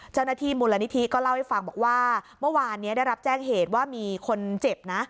เจ้าหน้าที่มูลนิธิก็เล่าให้ฟังบอกว่าเมื่อวานนี้ได้รับแจ้งเหตุว่ามีคนเจ็บนะ